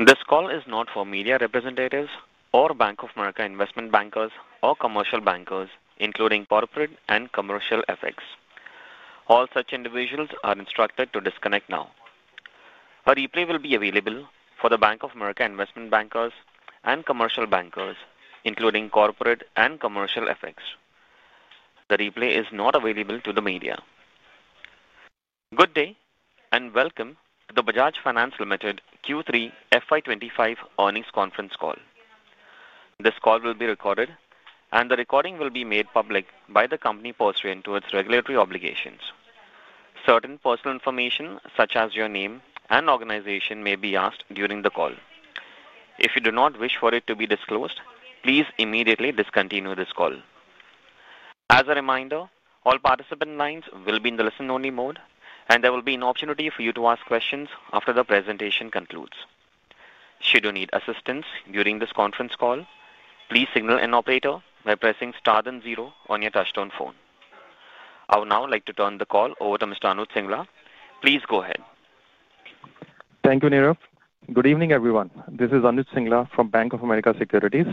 This call is not for media representatives or Bank of America Investment Bankers or commercial bankers, including corporate and commercial executives. All such individuals are instructed to disconnect now. A replay will be available for the Bank of America Investment commercial bankers, including corporate and commercial executives. The replay is not available to the media. Good day and welcome to the Bajaj Finance Limited Q3 FY25 earnings conference call. This call will be recorded, and the recording will be made public by the company pursuant to its regulatory obligations. Certain personal information, such as your name and organization, may be asked during the call. If you do not wish for it to be disclosed, please immediately discontinue this call. As a reminder, all participant lines will be in the listen-only mode, and there will be an opportunity for you to ask questions after the presentation concludes. Should you need assistance during this conference call, please signal an operator by pressing star then zero on your touch-tone phone. I would now like to turn the call over to Mr. Anup Singla. Please go ahead. Thank you, Neeraj. Good evening, everyone. This is Anup Singla from Bank of America Securities.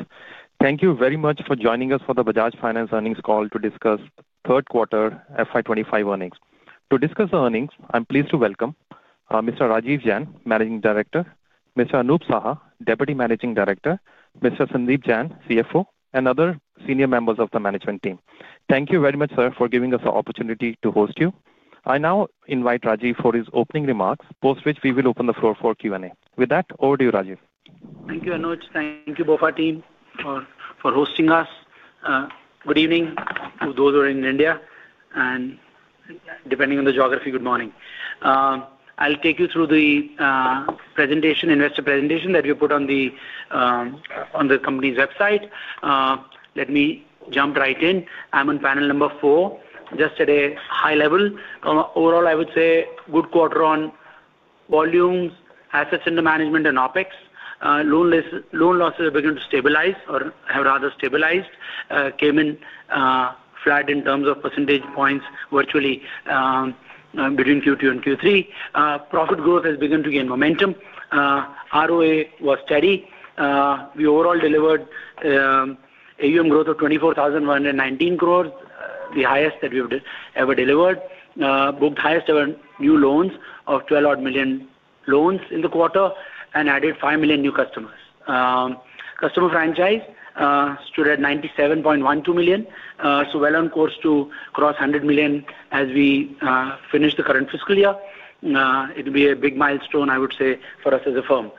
Thank you very much for joining us for the Bajaj Finance earnings call to discuss Q3 FY25 earnings. To discuss the earnings, I'm pleased to welcome Mr. Rajeev Jain, Managing Director, Mr. Anup Saha, Deputy Managing Director, Mr. Sandeep Jain, CFO, and other senior members of the management team. Thank you very much, sir, for giving us the opportunity to host you. I now invite Rajeev for his opening remarks, post which we will open the floor for Q&A. With that, over to you, Rajeev. Thank you, Anup. Thank you, both our team, for hosting us. Good evening to those who are in India, and depending on the geography, good morning. I'll take you through the investor presentation that we put on the company's website. Let me jump right in. I'm on panel number four. Just at a high level, overall, I would say good quarter on volumes, assets under management, and OpEx. Loan losses have begun to stabilize, or have rather stabilized. Came in flat in terms of percentage points virtually between Q2 and Q3. Profit growth has begun to gain momentum. ROA was steady. We overall delivered a year-on-year growth of 24,119 crores, the highest that we've ever delivered. Booked highest-ever new loans of 12 million loans in the quarter and added 5 million new customers. Customer franchise stood at 97.12 million, so well on course to cross 100 million as we finish the current fiscal year. It'll be a big milestone, I would say, for us as a firm.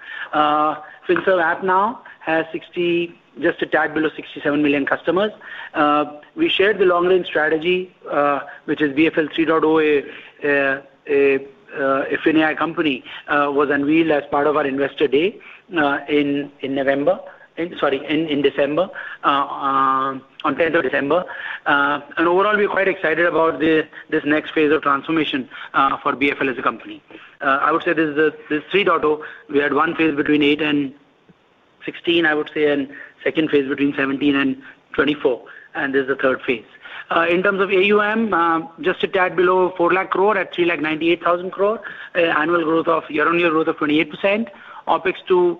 Finserv app now has just a tad below 67 million customers. We shared the long-range strategy, which is BFL 3.0, a FinAI company, was unveiled as part of our investor day in December, on 10th of December. And overall, we're quite excited about this next phase of transformation for BFL as a company. I would say this is the 3.0. We had one phase between 8 and 16, I would say, and a second phase between 17 and 24. And this is the third phase. In terms of AUM, just a tad below 4 lakh crore at 398,000 crore, annual growth of year-on-year growth of 28%. OpEX to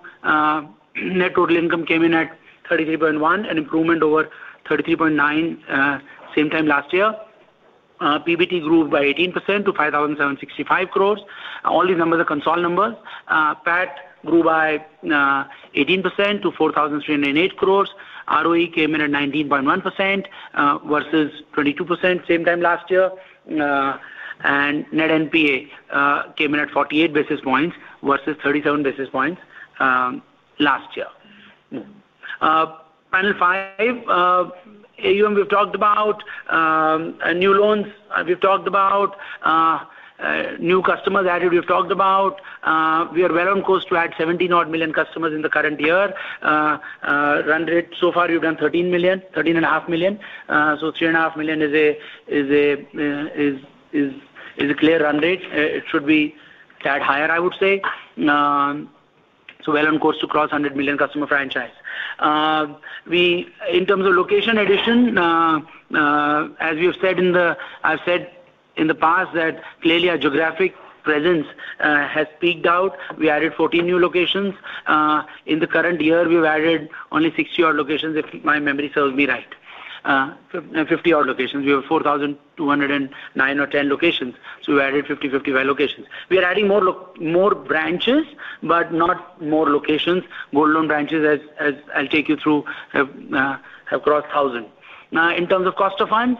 net total income came in at 33.1%, an improvement over 33.9% same time last year. PBT grew by 18% to 5,765 crores. All these numbers are consolidated numbers. PAT grew by 18% to 4,308 crores. ROE came in at 19.1% versus 22% same time last year. Net NPA came in at 48 basis points versus 37 basis points last year. Panel five, AUM we've talked about. New loans we've talked about. New customers added we've talked about. We are well on course to add 17 million customers in the current year. Run rate, so far we've done 13 million, 13.5 million. So 3.5 million is a clear run rate. It should be a tad higher, I would say. We are well on course to cross 100 million customer franchise. In terms of location addition, as we have said in the past, that clearly our geographic presence has peaked out. We added 14 new locations. In the current year, we've added only 60-odd locations, if my memory serves me right. 50-odd locations. We have 4,209 or so locations. So we've added 50-55 locations. We are adding more branches, but not more locations. Gold loan branches, as I'll take you through, have crossed 1,000. In terms of cost of funds,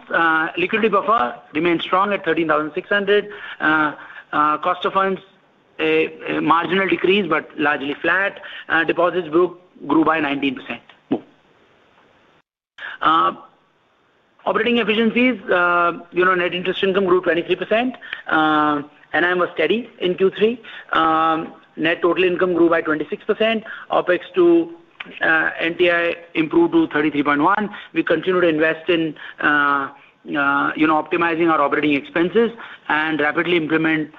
liquidity buffer remains strong at 13,600. Cost of funds, marginal decrease, but largely flat. Deposits grew by 19%. Operating efficiencies, net interest income grew 23%. NIM was steady in Q3. Net total income grew by 26%. OpEX to NTI improved to 33.1%. We continue to invest in optimizing our operating expenses and rapidly implement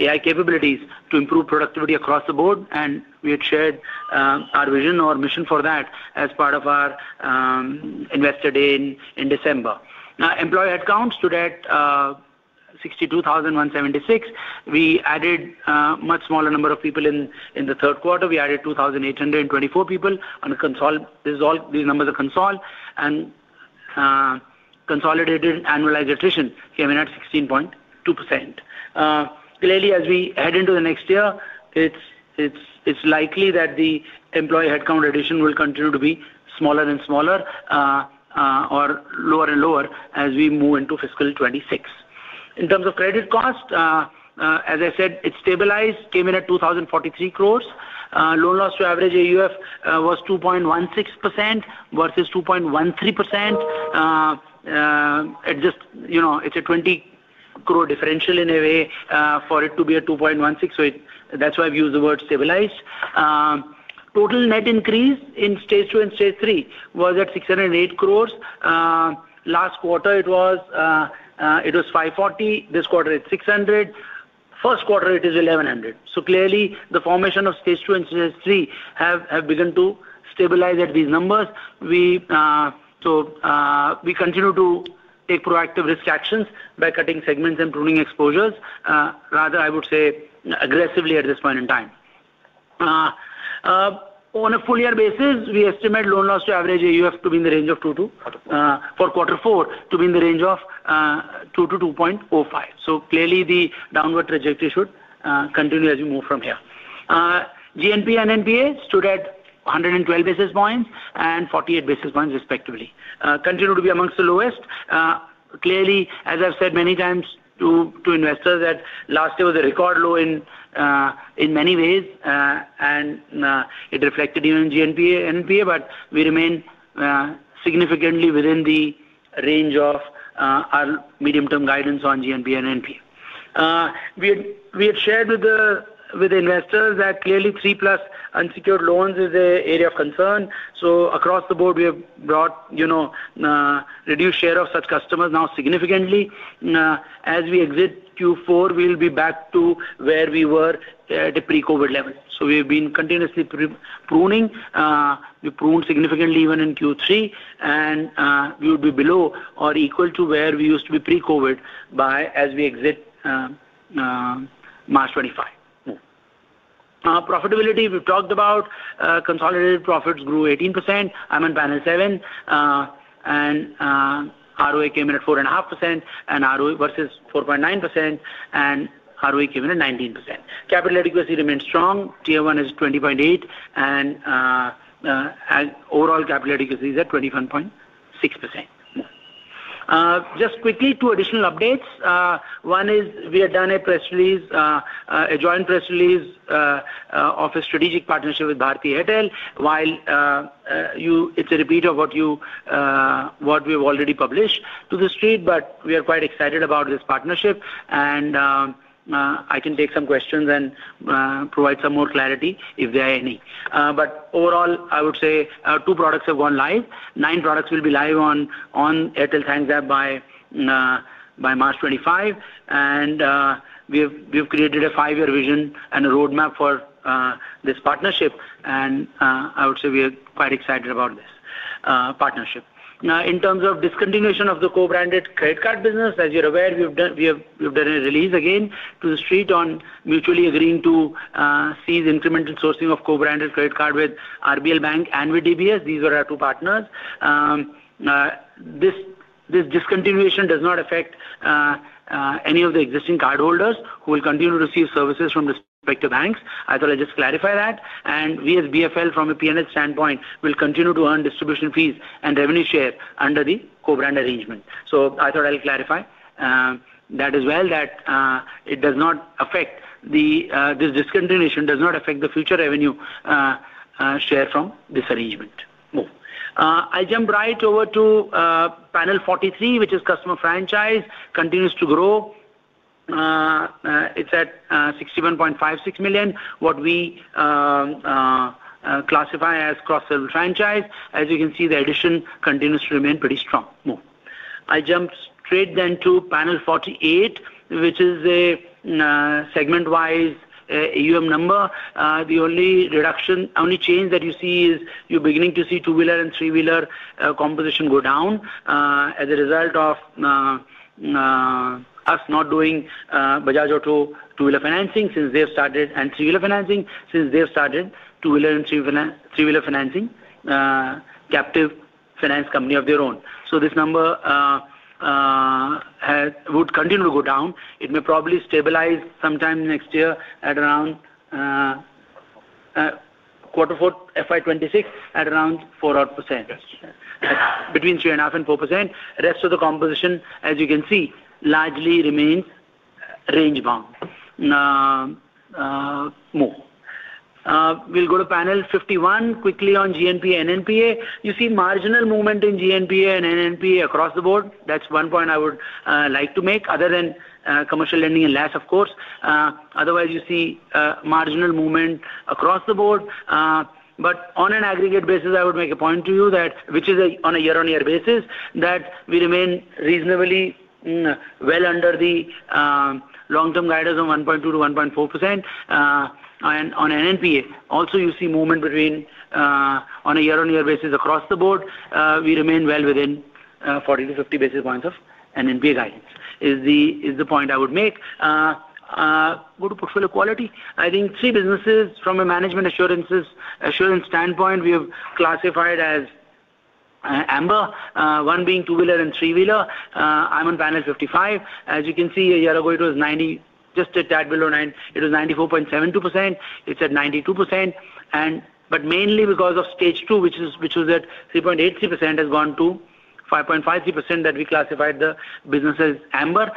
AI capabilities to improve productivity across the board. We had shared our vision, our mission for that as part of our investor day in December. Employee headcount stood at 62,176. We added a much smaller number of people in the third quarter. We added 2,824 people. These numbers are consolidated. Annualized attrition came in at 16.2%. Clearly, as we head into the next year, it's likely that the employee headcount addition will continue to be smaller and smaller or lower and lower as we move into fiscal 26. In terms of credit cost, as I said, it stabilized, came in at 2,043 crores. Loan loss to average AUF was 2.16% versus 2.13%. It's a 20 crore differential in a way for it to be at 2.16. So that's why I've used the word stabilized. Total net increase in stage two and stage three was at 608 crores. Last quarter, it was 540. This quarter, it's 600. Q1, it is 1,100. So clearly, the formation of Stage 2 and Stage 3 have begun to stabilize at these numbers. So we continue to take proactive risk actions by cutting segments and pruning exposures. Rather, I would say aggressively at this point in time. On a full-year basis, we estimate loan loss to average AUF to be in the range of 2% to 4%. Quarter four to be in the range of 2% to 2.05%. So clearly, the downward trajectory should continue as we move from here. GNP and NPA stood at 112 basis points and 48 basis points, respectively. Continue to be among the lowest. Clearly, as I've said many times to investors, that last year was a record low in many ways, and it reflected even GNP and NPA, but we remain significantly within the range of our medium-term guidance on GNP and NPA. We had shared with the investors that clearly three plus unsecured loans is an area of concern. So across the board, we have brought a reduced share of such customers now significantly. As we exit Q4, we'll be back to where we were at a pre-COVID level. So we have been continuously pruning. We pruned significantly even in Q3. And we would be below or equal to where we used to be pre-COVID by as we exit March 2025. Profitability, we've talked about. Consolidated profits grew 18%. I'm in panel seven. And ROA came in at 4.5% versus 4.9%. And ROE came in at 19%. Capital adequacy remains strong. Tier 1 is 20.8%. And overall capital adequacy is at 21.6%. Just quickly, two additional updates. One is we had done a joint press release of a strategic partnership with Bharti Airtel, while it's a repeat of what we've already published to the street. But we are quite excited about this partnership. And I can take some questions and provide some more clarity if there are any. But overall, I would say two products have gone live. Nine products will be live on Airtel Thanks App by March 25. And we've created a five-year vision and a roadmap for this partnership. And I would say we are quite excited about this partnership. In terms of discontinuation of the co-branded credit card business, as you're aware, we've done a release again to the street on mutually agreeing to cease incremental sourcing of co-branded credit card with RBL Bank and with DBS. These are our two partners. This discontinuation does not affect any of the existing cardholders who will continue to receive services from respective banks. I thought I'd just clarify that, and we, as BFL, from a P&L standpoint, will continue to earn distribution fees and revenue share under the co-brand arrangement, so I thought I'll clarify that as well, that this discontinuation does not affect the future revenue share from this arrangement. I'll jump right over to panel 43, which is customer franchise continues to grow. It's at 61.56 million, what we classify as cross-service franchise. As you can see, the addition continues to remain pretty strong. I'll jump straight then to panel 48, which is a segment-wise AUM number. The only change that you see is you're beginning to see two-wheeler and three-wheeler composition go down as a result of us not doing Bajaj Auto two-wheeler financing since they've started and three-wheeler financing since they've started two-wheeler and three-wheeler financing captive finance company of their own. So this number would continue to go down. It may probably stabilize sometime next year at around quarter four FY26 at around 4%, between 3.5%-4%. Rest of the composition, as you can see, largely remains range bound. We'll go to panel 51 quickly on GNP and NPA. You see marginal movement in GNP and NPA across the board. That's one point I would like to make other than commercial lending and leasing, of course. Otherwise, you see marginal movement across the board. But on an aggregate basis, I would make a point to you that, which is on a year-on-year basis, that we remain reasonably well under the long-term guidance of 1.2%-1.4% on NPA. Also, you see movement on a year-on-year basis across the board. We remain well within 40-50 basis points of NPA guidance is the point I would make. Go to portfolio quality. I think three businesses from a management assurance standpoint we have classified as amber, one being two-wheeler and three-wheeler. I'm on panel 55. As you can see, a year ago, it was just a tad below 95. It was 94.72%. It's at 92%. But mainly because of Stage 2, which was at 3.83%, has gone to 5.53% that we classified the business as amber.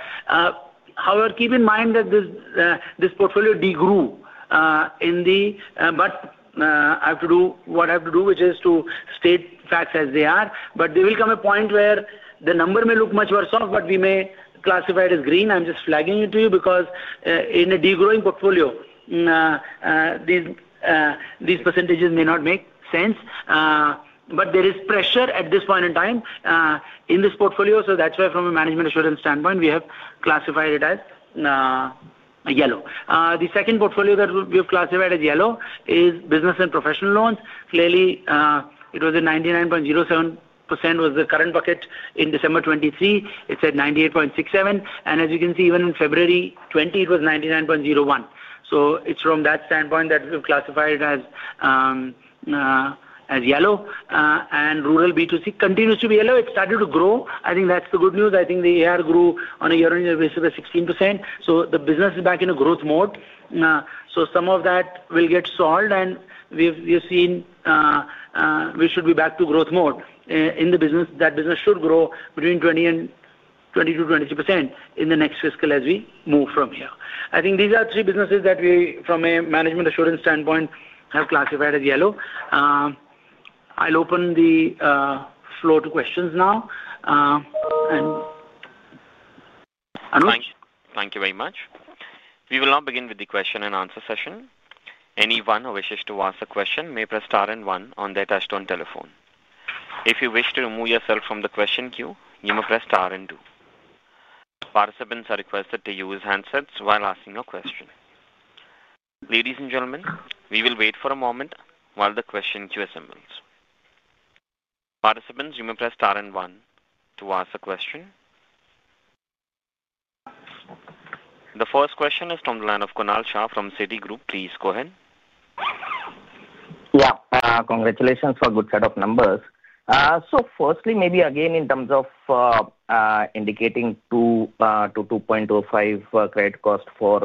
However, keep in mind that this portfolio degrew in the but I have to do what I have to do, which is to state facts as they are. But there will come a point where the number may look much worse off, but we may classify it as green. I'm just flagging it to you because in a degrowing portfolio, these percentages may not make sense. But there is pressure at this point in time in this portfolio. So that's why from a management assurance standpoint, we have classified it as yellow. The second portfolio that we have classified as yellow is business and professional loans. Clearly, it was at 99.07% was the current bucket in December 2023. It's at 98.67%. And as you can see, even in February 2020, it was 99.01%. So it's from that standpoint that we've classified it as yellow. And rural B2C continues to be yellow. It started to grow. I think that's the good news. I think the AR grew on a year-on-year basis by 16%. So the business is back in a growth mode. So some of that will get solved. And we have seen we should be back to growth mode in the business. That business should grow between 20%-23% in the next fiscal as we move from here. I think these are three businesses that we, from a management assurance standpoint, have classified as yellow. I'll open the floor to questions now. And Anup? Thank you very much. We will now begin with the question and answer session. Anyone who wishes to ask a question may press star and one on their touch-tone telephone. If you wish to remove yourself from the question queue, you may press star and two. Participants are requested to use handsets while asking a question. Ladies and gentlemen, we will wait for a moment while the question queue assembles. Participants, you may press star and one to ask a question. The first question is from the line of Kunal Shah from Citigroup. Please go ahead. Yeah. Congratulations for a good set of numbers. So firstly, maybe again in terms of indicating to 2.05 credit cost for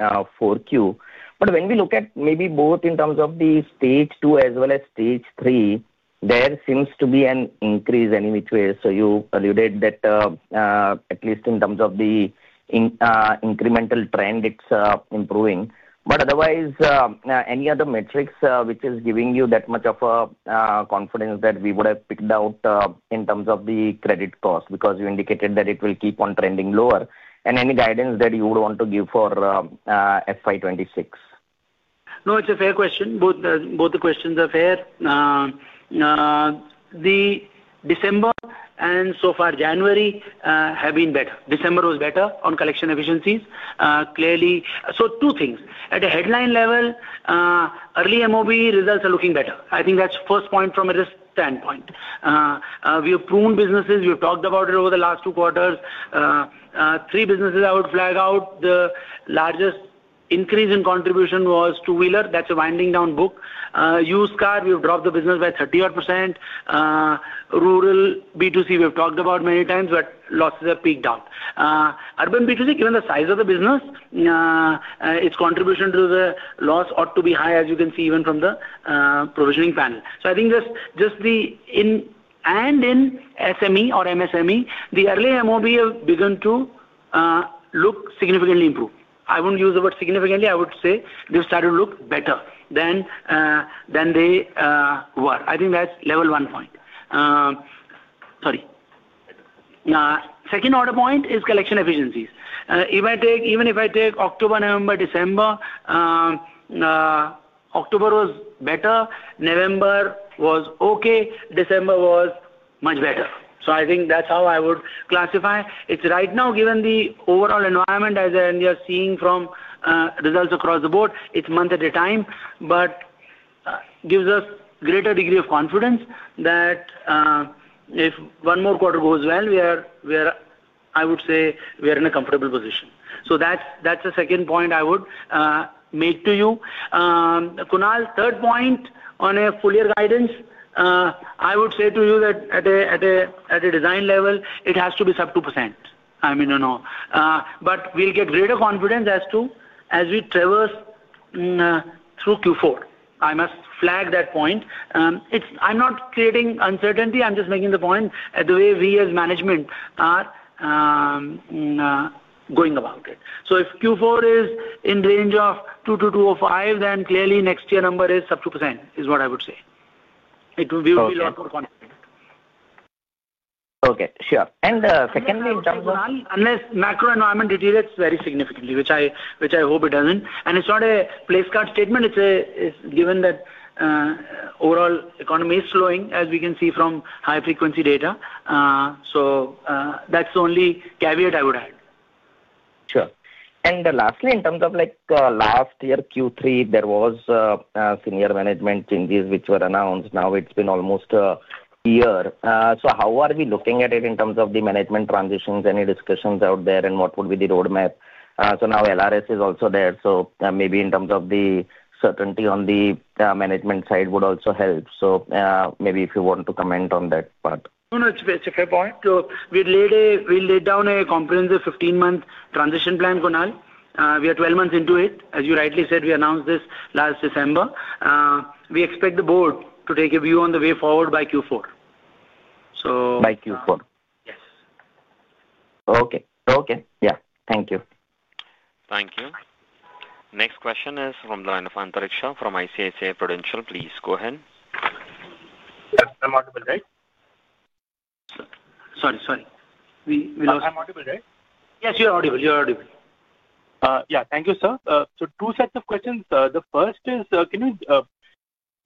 Q4. But when we look at maybe both in terms of the Stage 2 as well as Stage 3, there seems to be an increase any which way. So you alluded that at least in terms of the incremental trend, it's improving. But otherwise, any other metrics which is giving you that much of a confidence that we would have picked out in terms of the credit cost because you indicated that it will keep on trending lower? And any guidance that you would want to give for FY26? No, it's a fair question. Both the questions are fair. The December and so far January have been better. December was better on collection efficiencies. So two things. At a headline level, early MOB results are looking better. I think that's the first point from a risk standpoint. We have pruned businesses. We've talked about it over the last two quarters. Three businesses I would flag out. The largest increase in contribution was two-wheeler. That's a winding down book. Used car, we've dropped the business by 38%. Rural B2C, we've talked about many times, but losses have peaked out. Urban B2C, given the size of the business, its contribution to the loss ought to be high, as you can see even from the provisioning panel. I think just the end in SME or MSME, the early MOB have begun to look significantly improved. I wouldn't use the word significantly. I would say they've started to look better than they were. I think that's level one point. Sorry. Second order point is collection efficiencies. Even if I take October, November, December, October was better. November was okay. December was much better. I think that's how I would classify it. It's right now, given the overall environment as you're seeing from results across the board, it's month at a time, but gives us a greater degree of confidence that if one more quarter goes well, I would say we are in a comfortable position. That's the second point I would make to you. Kunal, third point on a full-year guidance, I would say to you that at a design level, it has to be sub 2%. I mean, no, no. But we'll get greater confidence as we traverse through Q4. I must flag that point. I'm not creating uncertainty. I'm just making the point about the way we as management are going about it. So if Q4 is in range of 2-2.05%, then clearly next year number is sub 2% is what I would say. We will be a lot more confident. Okay. Sure. And secondly, in terms of. Unless macro environment deteriorates very significantly, which I hope it doesn't. And it's not a placeholder statement. It's given that overall economy is slowing, as we can see from high-frequency data. So that's the only caveat I would add. Sure. And lastly, in terms of last year Q3, there were senior management changes which were announced. Now it's been almost a year. So how are we looking at it in terms of the management transitions, any discussions out there, and what would be the roadmap? So now LRS is also there. So maybe in terms of the certainty on the management side would also help. So maybe if you want to comment on that part. No, no. It's a fair point. We laid down a comprehensive 15-month transition plan, Kunal. We are 12 months into it. As you rightly said, we announced this last December. We expect the board to take a view on the way forward by Q4. So. By Q4. Yes. Okay. Okay. Yeah. Thank you. Thank you. Next question is from the line of Antariksha from ICICI Prudential. Please go ahead. Sir, I'm audible, right? Sorry, sorry. We lost. I'm audible, right? Yes, you're audible. Yeah. Thank you, sir. So two sets of questions. The first is, can you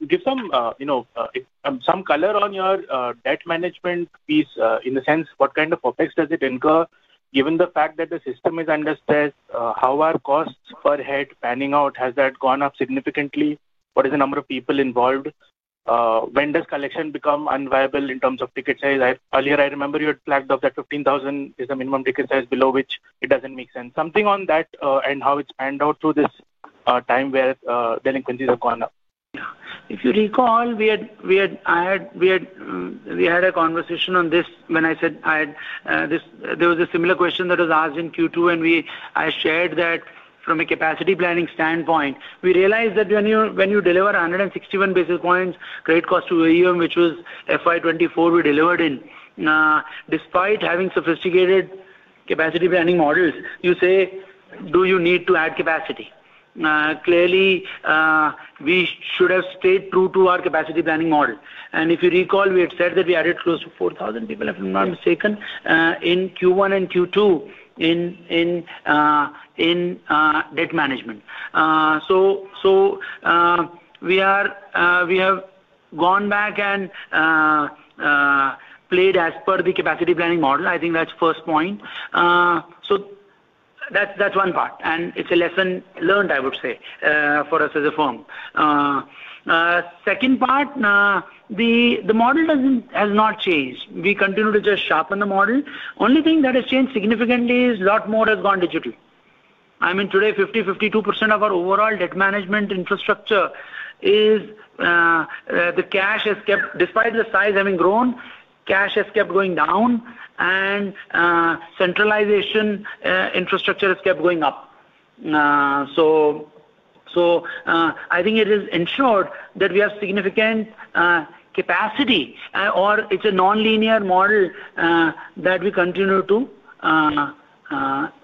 give some color on your debt management piece in the sense what kind of effects does it incur given the fact that the system is under stress? How are costs per head panning out? Has that gone up significantly? What is the number of people involved? When does collection become unviable in terms of ticket size? Earlier, I remember you had flagged off that 15,000 is the minimum ticket size below which it doesn't make sense. Something on that and how it's panned out through this time where delinquencies have gone up. If you recall, I had a conversation on this when I said there was a similar question that was asked in Q2, and I shared that from a capacity planning standpoint, we realized that when you deliver 161 basis points credit cost to AUM, which was FY24, we delivered in. Despite having sophisticated capacity planning models, you say, "Do you need to add capacity?" Clearly, we should have stayed true to our capacity planning model. And if you recall, we had said that we added close to 4,000 people, if I'm not mistaken, in Q1 and Q2 in debt management. So we have gone back and played as per the capacity planning model. I think that's the first point. So that's one part. And it's a lesson learned, I would say, for us as a firm. Second part, the model has not changed. We continue to just sharpen the model. Only thing that has changed significantly is a lot more has gone digitally. I mean, today, 50%-52% of our overall debt management infrastructure is the cash has kept, despite the size having grown, cash has kept going down, and centralization infrastructure has kept going up. So I think it has ensured that we have significant capacity, or it's a non-linear model that we continue to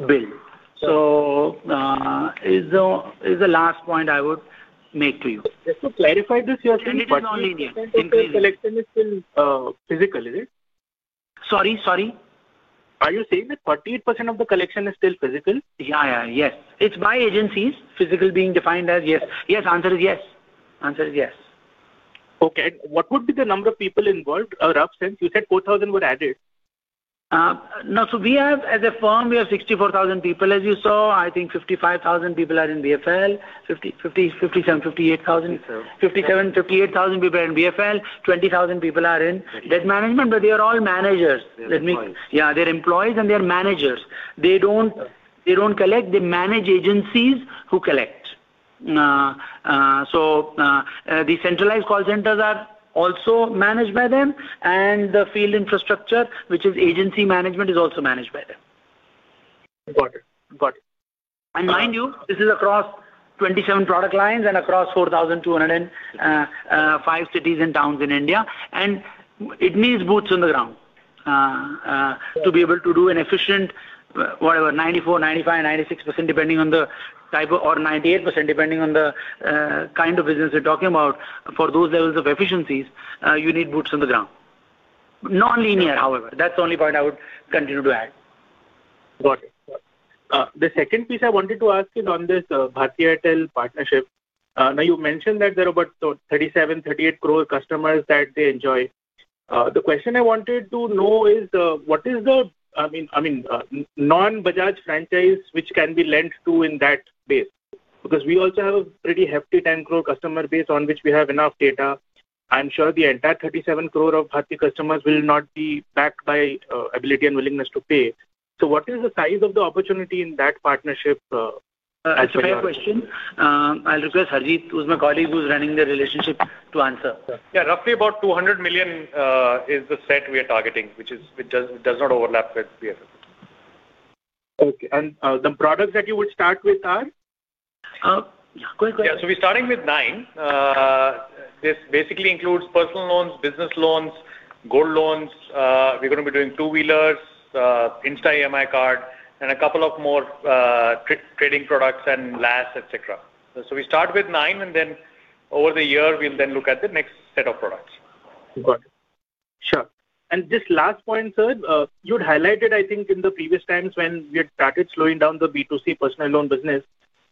build. So it's the last point I would make to you. Just to clarify this, you're saying 48% of the collection is still physical, is it? Sorry, sorry. Are you saying that 48% of the collection is still physical? Yeah, yeah. Yes. It's by agencies, physical being defined as yes. Yes. Answer is yes. Answer is yes. Okay. What would be the number of people involved? Rough sense. You said 4,000 were added. No. So we have, as a firm, we have 64,000 people, as you saw. I think 55,000 people are in BFL. 57, 58,000. 57, 58,000 people are in BFL. 20,000 people are in debt management, but they are all managers. Yeah. They are employees, and they are managers. They do not collect. They manage agencies who collect. So the centralized call centers are also managed by them, and the field infrastructure, which is agency management, is also managed by them. Got it. Got it. And mind you, this is across 27 product lines and across 4,205 cities and towns in India. And it needs boots on the ground to be able to do an efficient whatever, 94, 95, 96%, depending on the type of or 98%, depending on the kind of business we are talking about. For those levels of efficiencies, you need boots on the ground. Non-linear, however. That's the only point I would continue to add. Got it. The second piece I wanted to ask is on this Bajaj Finance, Rajeev Jain. Now, you mentioned that there are about 37, 38 crore customers that they enjoy. The question I wanted to know is, what is the, I mean, non-Bajaj franchise which can be lent to in that base? Because we also have a pretty hefty 10 crore customer base on which we have enough data. I'm sure the entire 37 crore of Bajaj customers will not be backed by ability and willingness to pay. So what is the size of the opportunity in that partnership? That's a fair question. I'll request Harjit, who's my colleague, who's running the relationship, to answer. Yeah. Roughly about 200 million is the set we are targeting, which does not overlap with BFF. Okay. And the products that you would start with are? Yeah. Go ahead. Yeah. So we're starting with nine. This basically includes Personal Loans, Business Loans, Gold Loans. We're going to be doing two-wheelers, Insta EMI Card, and a couple of more trading products and LAS, etc. So we start with nine, and then over the year, we'll then look at the next set of products. Got it. And this last point, sir, you'd highlighted, I think, in the previous times when we had started slowing down the B2C personal loan business,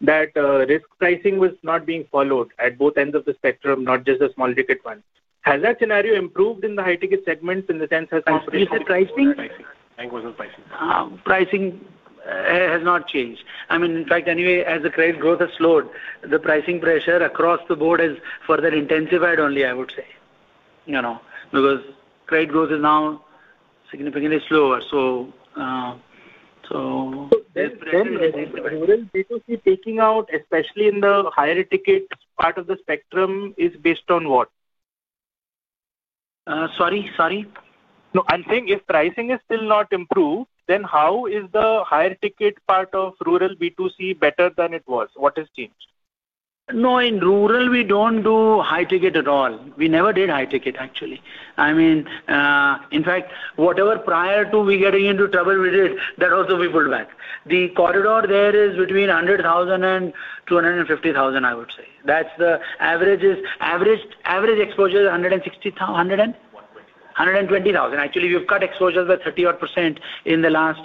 that risk pricing was not being followed at both ends of the spectrum, not just the small ticket one. Has that scenario improved in the high-ticket segments in the sense as compared to? Pricing? Pricing has not changed. I mean, in fact, anyway, as the credit growth has slowed, the pricing pressure across the board has further intensified only, I would say, because credit growth is now significantly slower. So there's pressure. So then rural B2C taking out, especially in the higher ticket part of the spectrum, is based on what? Sorry, sorry. I'm saying if pricing has still not improved, then how is the higher ticket part of rural B2C better than it was? What has changed? No, in rural, we don't do high ticket at all. We never did high ticket, actually. I mean, in fact, whatever prior to we getting into trouble, we did, that also we pulled back. The corridor there is between 100,000 and 250,000, I would say. That's the average exposure is 160,000. 120,000. 120,000. Actually, we've cut exposure by 30-odd% in the last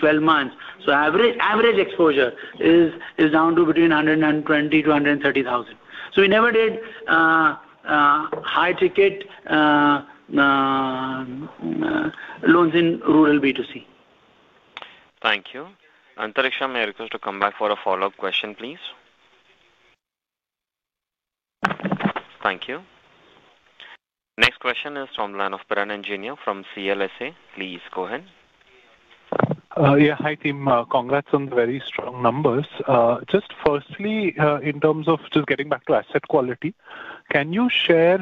12 months. So average exposure is down to between 120,000-130,000. So we never did high-ticket loans in rural B2C. Thank you. Antariksha Banerjee, to come back for a follow-up question, please. Thank you. Next question is from the line of Piran Engineer from CLSA. Please go ahead. Yeah. Hi team. Congrats on the very strong numbers. Just firstly, in terms of just getting back to asset quality, can you share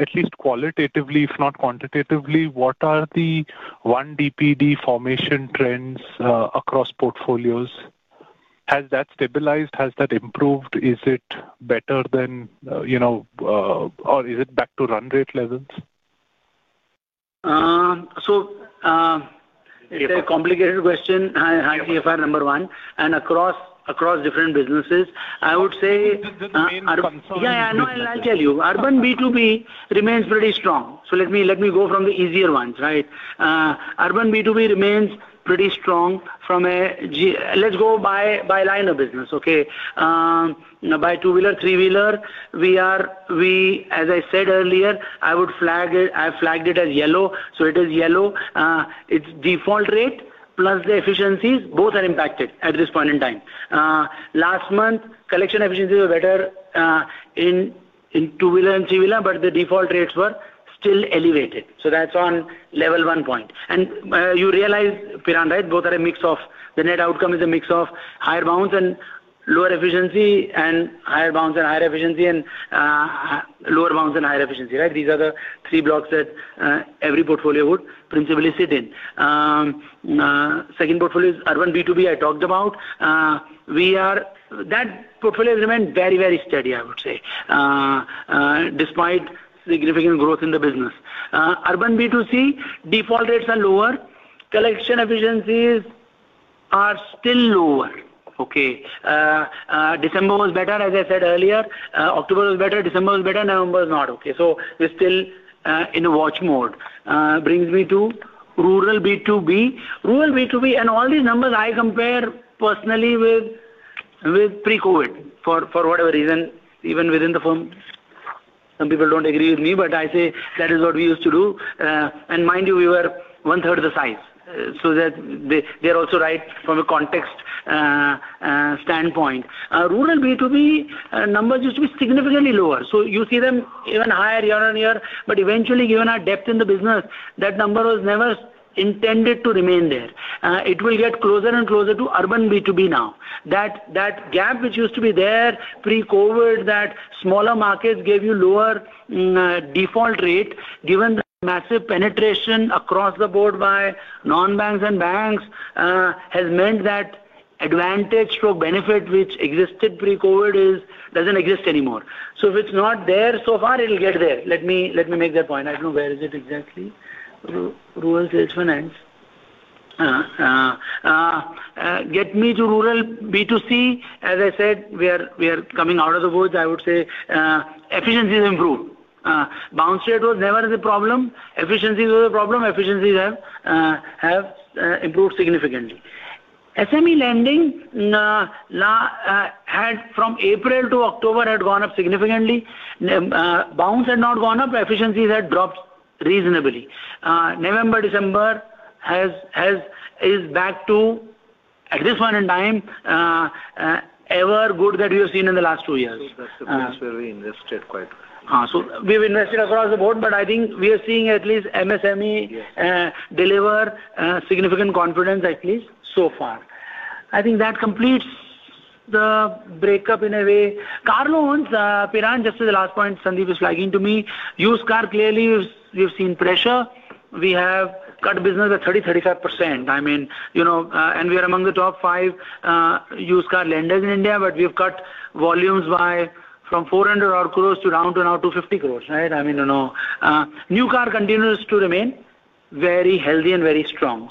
at least qualitatively, if not quantitatively, what are the 1DPD formation trends across portfolios? Has that stabilized? Has that improved? Is it better than or is it back to run rate levels? So it's a complicated question. High TFR, number one. And across different businesses, I would say. I mean, I'm sorry. Yeah, yeah. No, I'll tell you. Urban B2B remains pretty strong. So let me go from the easier ones, right? Urban B2B remains pretty strong from a let's go by line of business, okay? By two-wheeler, three-wheeler, we are, as I said earlier, I would flag it as yellow. So it is yellow. Its default rate plus the efficiencies, both are impacted at this point in time. Last month, collection efficiencies were better in two-wheeler and three-wheeler, but the default rates were still elevated. So that's on level one point. And you realize, Piran, right? Both are a mix of the net outcome is a mix of higher bounce and lower efficiency and higher bounce and higher efficiency and lower bounce and higher efficiency, right? These are the three blocks that every portfolio would principally sit in. Second portfolio is Urban B2B I talked about. That portfolio has remained very, very steady, I would say, despite significant growth in the business. Urban B2C, default rates are lower. Collection efficiencies are still lower, okay? December was better, as I said earlier. October was better. December was better. November was not okay. So we're still in a watch mode. Brings me to Rural B2B. Rural B2B, and all these numbers, I compare personally with pre-COVID, for whatever reason, even within the firm, some people don't agree with me, but I say that is what we used to do. And mind you, we were one-third of the size. So they're also right from a context standpoint. Rural B2B numbers used to be significantly lower. So you see them even higher year on year. But eventually, given our depth in the business, that number was never intended to remain there. It will get closer and closer to Urban B2B now. That gap, which used to be there pre-COVID, that smaller markets gave you lower default rate, given the massive penetration across the board by non-banks and banks, has meant that advantage for Bajaj, which existed pre-COVID, doesn't exist anymore. So if it's not there so far, it'll get there. Let me make that point. I don't know where is it exactly. Rural Sales Finance. Get me to rural B2C. As I said, we are coming out of the woods, I would say. Efficiencies improved. Bounce rate was never the problem. Efficiencies were the problem. Efficiencies have improved significantly. SME lending had, from April to October, had gone up significantly. Bounce had not gone up. Efficiencies had dropped reasonably. November, December is back to, at this point in time, the best ever that we have seen in the last two years. That's where we invested quite well. So we've invested across the board, but I think we are seeing at least MSME deliver significant confidence, at least so far. I think that completes the breakup in a way. Car loans, Piran, just as the last point, Sandeep is flagging to me, used car, clearly, we've seen pressure. We have cut business by 30-35%. I mean, and we are among the top five used car lenders in India, but we've cut volumes from 400 crores down to now 2 50 crores, right? I mean, new car continues to remain very healthy and very strong.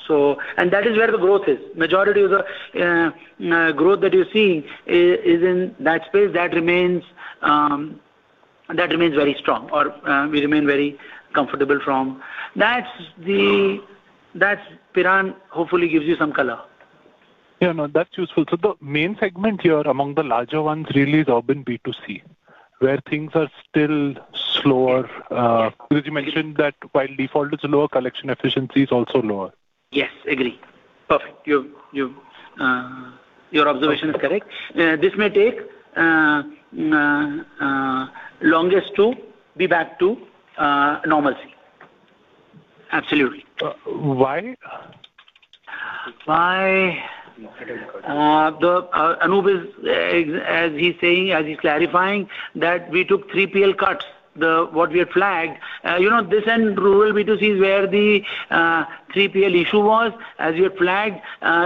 And that is where the growth is. Majority of the growth that you're seeing is in that space. That remains very strong, or we remain very comfortable from. That's Piran, hopefully, gives you some color. Yeah. No, that's useful. So the main segment here among the larger ones really is urban B2C, where things are still slower. Because you mentioned that while default is lower, collection efficiency is also lower. Yes. Agree. Perfect. Your observation is correct. This may take longest to be back to normalcy. Absolutely. Why? Anup is, as he's saying, as he's clarifying, that we took 3PL cuts, what we had flagged. This end, rural B2C is where the 3PL issue was, as you had flagged.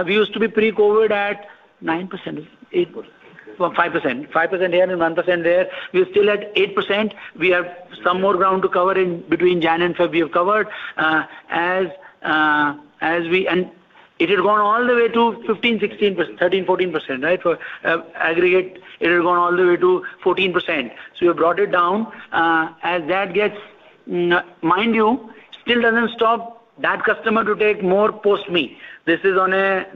We used to be pre-COVID at 9%, 8%, 5%. 5% here and 1% there. We're still at 8%. We have some more ground to cover in between January and February. We have covered as we and it had gone all the way to 15, 16, 13, 14%, right? For aggregate, it had gone all the way to 14%. So we have brought it down. As that gets, mind you, still doesn't stop that customer to take more post-EMI. This is on an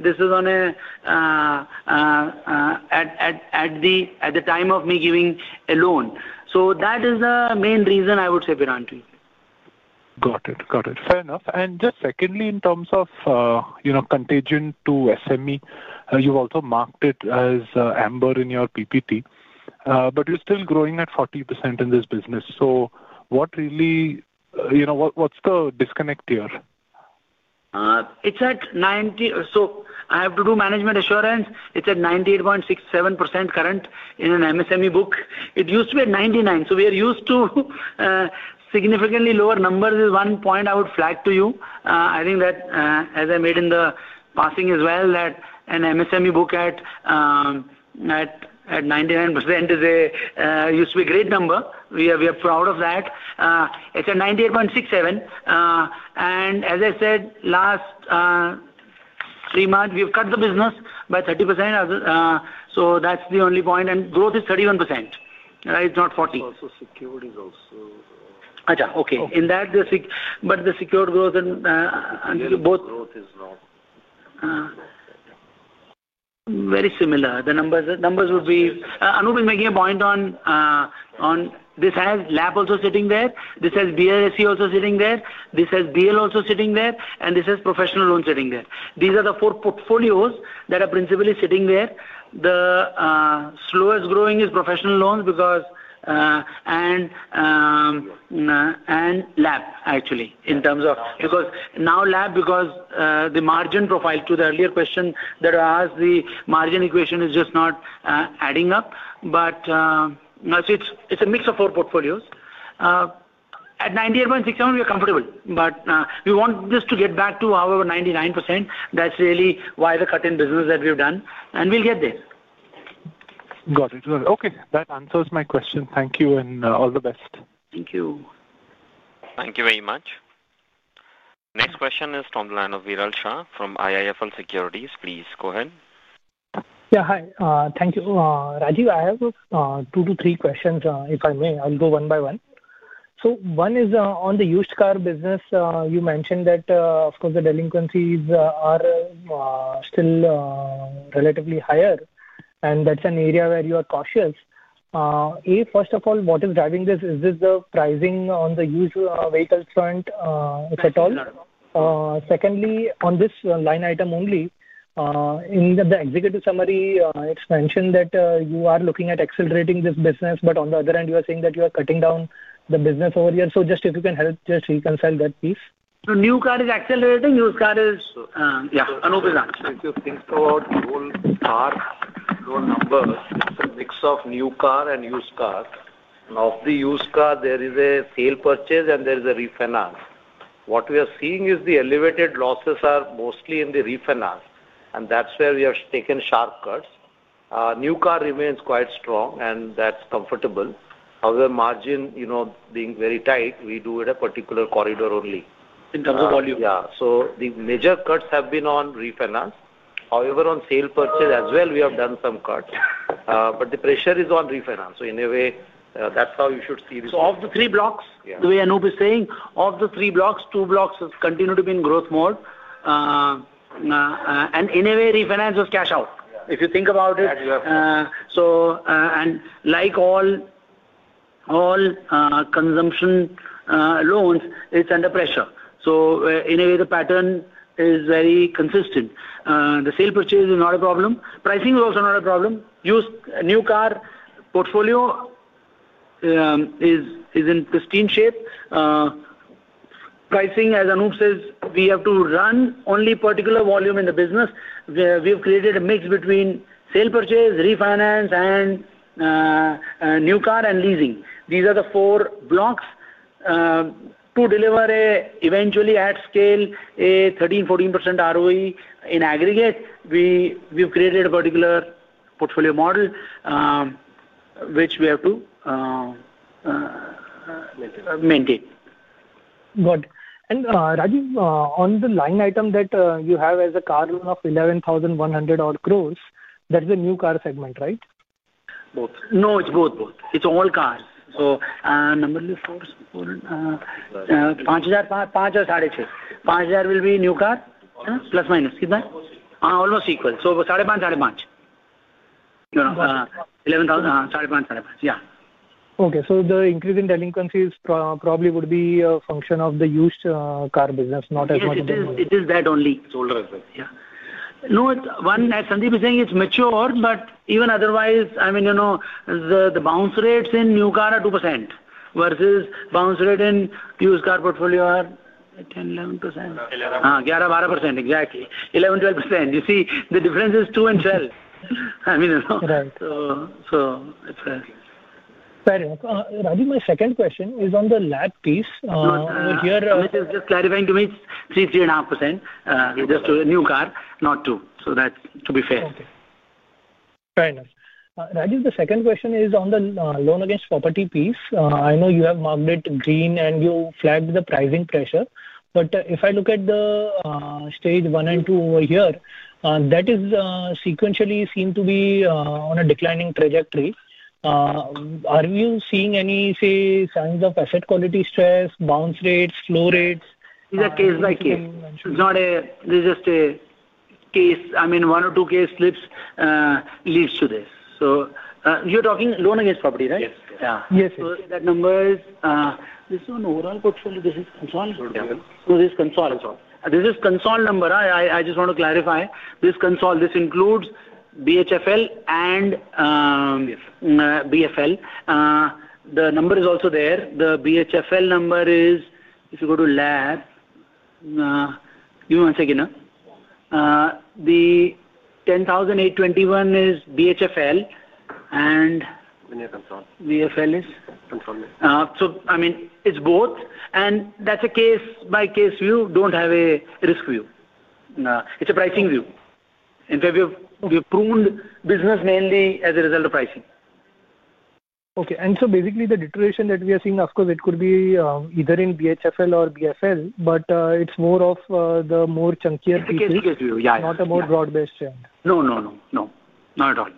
at the time of EMI giving a loan. So that is the main reason, I would say, Piran, too. Got it. Got it. Fair enough. And just secondly, in terms of contagion to SME, you've also marked it as amber in your PPT, but you're still growing at 40% in this business. So what really what's the disconnect here? It's at 90. So I have to do management assurance. It's at 98.67% current in an MSME book. It used to be at 99%. So we are used to significantly lower numbers. There's one point I would flag to you. I think that, as I made in the passing as well, that an MSME book at 99% is used to be a great number. We are proud of that. It's at 98.67%. As I said, last three months, we've cut the business by 30%. That's the only point. Growth is 31%, right? It's not 40. Also, secured is also. Yeah, okay. In that, but the secured growth and both. Secured growth is not very similar. The numbers would be. Anup is making a point on this. This has LAP also sitting there. This has BLSC also sitting there. This has BL also sitting there. This has professional loans sitting there. These are the four portfolios that are principally sitting there. The slowest growing is professional loans because and LAP, actually, in terms of because now LAP, because the margin profile to the earlier question that I asked, the margin equation is just not adding up. It's a mix of four portfolios. At 98.67, we are comfortable. We want this to get back to our 99%. That's really why the cut in business that we've done. And we'll get there. Got it. Okay. That answers my question. Thank you and all the best. Thank you. Thank you very much. Next question is from the line of Viral Shah from IIFL Securities. Please go ahead. Yeah. Hi. Thank you, Rajeev. I have two to three questions, if I may. I'll go one by one. So one is on the used car business. You mentioned that, of course, the delinquencies are still relatively higher, and that's an area where you are cautious. A, first of all, what is driving this? Is this the pricing on the used vehicles front, if at all? Secondly, on this line item only, in the executive summary, it's mentioned that you are looking at accelerating this business, but on the other hand, you are saying that you are cutting down the business over here. So, just if you can help just reconcile that piece. So, new car is accelerating. Used car is, yeah, Anup is answering. If you think about old cars, old numbers, it's a mix of new car and used car. And of the used car, there is a sale purchase, and there is a refinance. What we are seeing is the elevated losses are mostly in the refinance, and that's where we have taken sharp cuts. New car remains quite strong, and that's comfortable. However, margin being very tight, we do it at a particular corridor only in terms of volume. Yeah. So, the major cuts have been on refinance. However, on sale purchase as well, we have done some cuts, but the pressure is on refinance. So, in a way, that's how you should see this. So of the three blocks, the way Anup is saying, of the three blocks, two blocks continue to be in growth mode. And in a way, refinance was cash out. If you think about it. So and like all consumption loans, it's under pressure. So in a way, the pattern is very consistent. The sale purchase is not a problem. Pricing is also not a problem. New car portfolio is in pristine shape. Pricing, as Anup says, we have to run only particular volume in the business. We have created a mix between sale purchase, refinance, and new car and leasing. These are the four blocks to deliver eventually at scale a 13%-14% ROE in aggregate. We've created a particular portfolio model, which we have to maintain. Good. And Rajeev, on the line item that you have as a car loan of 11,100 crores, that's the new car segment, right? Both. No, it's both, both. It's all cars. So, number-wise, for 5,000 or 5,500. 5,000 will be new car, plus minus. Kind of? Almost equal. So 5,500, 5,500. 11,000, 5,500, 5,500. Yeah. Okay. So the increase in delinquencies probably would be a function of the used car business, not as much as. It is that only. So that is it. Yeah. No, it's only, as Sandeep is saying, it's matured, but even otherwise, I mean, the bounce rates in new car are 2% versus bounce rate in used car portfolio are 10-11%. 11-12%. Exactly. 11-12%. You see the difference is 2 and 12. I mean, so it's fair enough. Rajeev, my second question is on the LAP piece. Here. It is just clarifying to me 3-3.5%. Just new car, not 2. So that's to be fair. Okay. Fair enough. Rajeev, the second question is on the loan against property piece. I know you have marked it green, and you flagged the pricing pressure. But if I look at the stage one and two over here, that is sequentially seem to be on a declining trajectory. Are you seeing any, say, signs of asset quality stress, bounce rates, slow rates? These are case by case. It's not a this is just a case. I mean, one or two case slips leads to this. So you're talking loan against property, right? Yes. Yes. So that number is this is an overall portfolio. This is consolidated. So this is the consolidated number. I just want to clarify. This consolidated, this includes BHFL and BFL. The number is also there. The BHFL number is, if you go to LAP, give me one second. The 10,821 is BHFL, and BFL is consolidated. So I mean, it's both. And that's a case-by-case view. Don't have a risk view. It's a pricing view. In fact, we have pruned business mainly as a result of pricing. Okay. And so basically, the deterioration that we are seeing, of course, it could be either in BHFL or BFL, but it's more of the more chunkier pieces. The case-to-case view. Yeah. It's not a more broad-based trend. No, no, no. No. Not at all.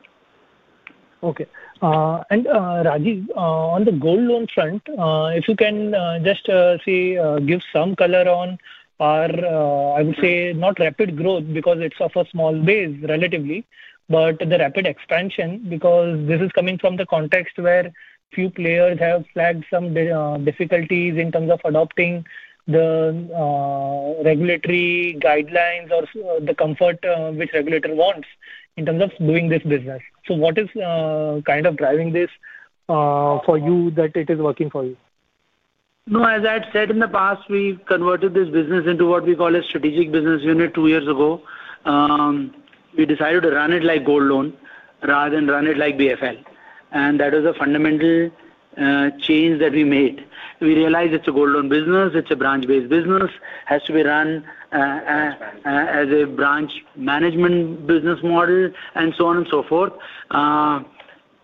Okay. And Rajeev, on the gold loan front, if you can just give some color on our, I would say, not rapid growth because it's of a small base relatively, but the rapid expansion because this is coming from the context where few players have flagged some difficulties in terms of adopting the regulatory guidelines or the comfort which regulator wants in terms of doing this business. So what is kind of driving this for you that it is working for you? No, as I had said in the past, we converted this business into what we call a strategic business unit two years ago. We decided to run it like gold loan rather than run it like BFL, and that was a fundamental change that we made. We realized it's a gold loan business. It's a branch-based business. It has to be run as a branch management business model and so on and so forth.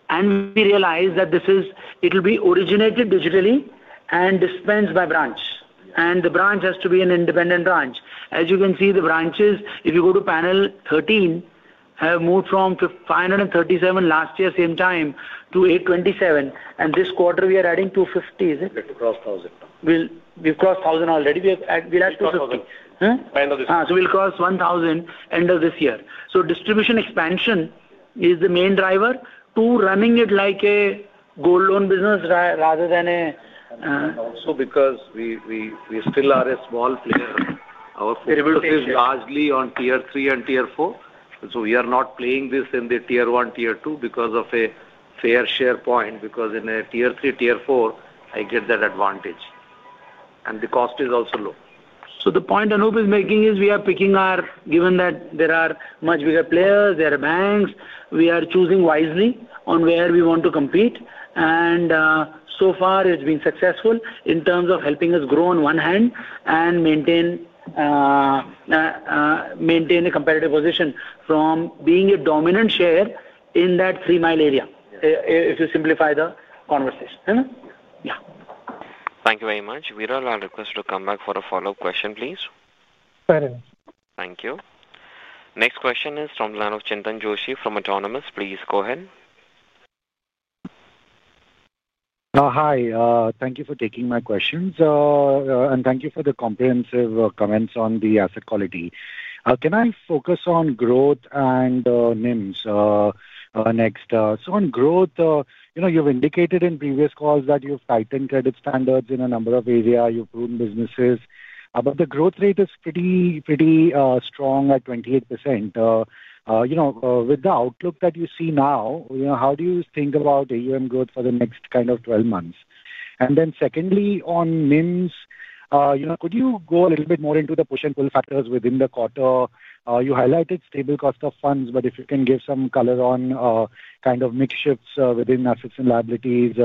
And we realized that this is it will be originated digitally and dispensed by branch. And the branch has to be an independent branch. As you can see, the branches, if you go to panel 13, have moved from 537 last year, same time, to 827. And this quarter, we are adding 250, is it? We have to cross 1,000 now. We've crossed 1,000 already. We'll add 250. Huh? So we'll cross 1,000 end of this year. So distribution expansion is the main driver to running it like a gold loan business rather than a. And also because we still are a small player. Our focus is largely on tier three and tier four. So, we are not playing this in the tier one, tier two because of a fair share point, because in a tier three, tier four, I get that advantage. And the cost is also low. So the point Anup is making is we are picking our ground given that there are much bigger players, there are banks. We are choosing wisely on where we want to compete. And so far, it's been successful in terms of helping us grow on one hand and maintain a competitive position from being a dominant share in that three-mile area, if you simplify the conversation. Yeah. Thank you very much. Viral, I'll request you to come back for a follow-up question, please. Fair enough. Thank you. Next question is from the line of Chintan Joshi from Autonomous. Please go ahead. Hi. Thank you for taking my questions. Thank you for the comprehensive comments on the asset quality. Can I focus on growth and NIMS next? On growth, you've indicated in previous calls that you've tightened credit standards in a number of areas. You've pruned businesses. The growth rate is pretty strong at 28%. With the outlook that you see now, how do you think about AUM growth for the next kind of 12 months? Then secondly, on NIMS, could you go a little bit more into the push and pull factors within the quarter? You highlighted stable cost of funds, but if you can give some color on kind of mix shifts within assets and liabilities.